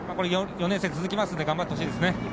４年生が続きますので頑張ってほしいですね。